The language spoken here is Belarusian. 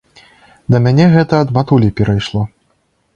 Да мяне гэта ад матулі перайшло.